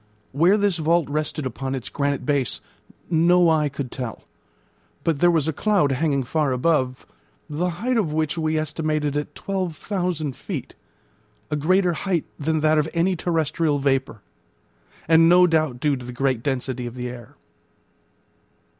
Where this vault rested upon its granite base no eye could tell; but there was a cloud hanging far above, the height of which we estimated at 12,000 feet, a greater height than that of any terrestrial vapour, and no doubt due to the great density of the air.